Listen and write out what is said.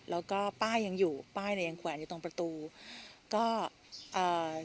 แล้วก็ป้ายยังอยู่ป้ายเนี่ยยังแขวนอยู่ตรงประตูก็เอ่อ